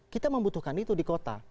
kita membutuhkan itu di kota